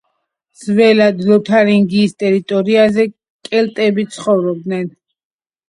ძველად ლოთარინგიის ტერიტორიაზე კელტები ცხოვრობდნენ.